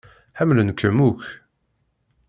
Ḥemmlen-kem akk.